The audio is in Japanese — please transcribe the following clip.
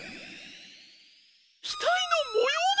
ひたいのもようだ！